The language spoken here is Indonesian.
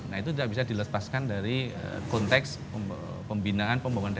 nah itu sudah bisa dilepaskan dari konteks pembinaan pembangunan daerah oleh masyarakat